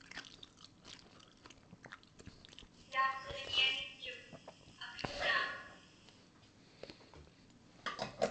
Tauqsiġñiaŋitchuk akłunaamik.